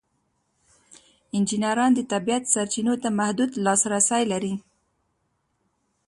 انجینران د طبیعت سرچینو ته محدود لاسرسی لري.